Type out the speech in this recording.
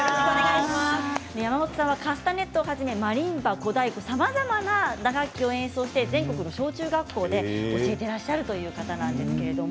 山本さんはカスタネットをはじめマリンバ、小太鼓さまざまな打楽器を演奏して全国の小・中学校で教えていらっしゃるという方です。